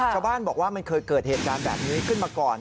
ชาวบ้านบอกว่ามันเคยเกิดเหตุการณ์แบบนี้ขึ้นมาก่อน